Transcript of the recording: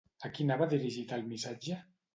A qui anava dirigit el missatge?